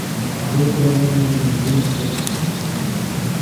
زو ترے ون ملن گپ ژیا چے کریم